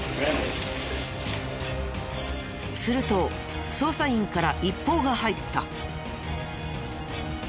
すると捜査員から一報が入った。